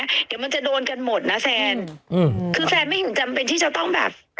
เดี๋ยวมันจะโดนกันหมดนะแฟนอืมคือแฟนไม่ถึงจำเป็นที่จะต้องแบบ